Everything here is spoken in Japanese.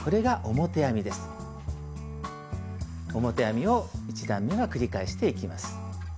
表編みを１段めは繰り返していきます。